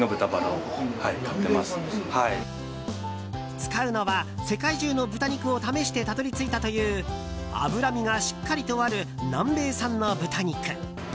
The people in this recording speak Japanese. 使うのは世界中の豚肉を試してたどり着いたという脂身がしっかりとある南米産の豚肉。